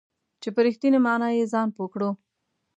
چې په رښتینې معنا یې ځان پوه کړو .